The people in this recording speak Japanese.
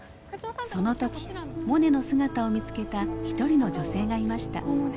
その時モネの姿を見つけた一人の女性がいました。